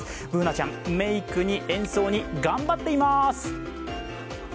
Ｂｏｏｎａちゃん、メークに演奏に頑張っています！